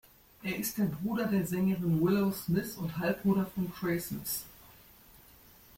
Er ist der Bruder der Sängerin Willow Smith und Halbbruder von Trey Smith.